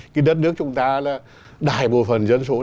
cái đất nước chúng ta là đại bộ phần dân số